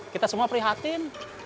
kita semua prihatin